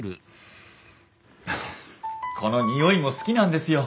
この匂いも好きなんですよ。